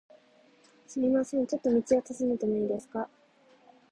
すみません、ちょっと道を尋ねてもいいですか？